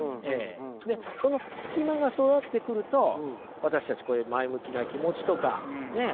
でその隙間が育ってくると私たちこういう前向きな気持ちとかねえ